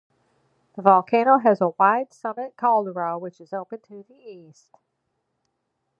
The volcano has a wide summit caldera which is open to the east.